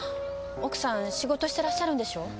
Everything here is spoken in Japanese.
奥さん仕事してらっしゃるんでしょう？